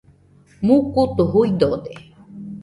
Mukutu juidode.